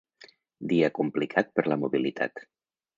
Dia complicat per la mobilitat.